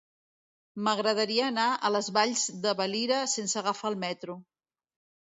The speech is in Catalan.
M'agradaria anar a les Valls de Valira sense agafar el metro.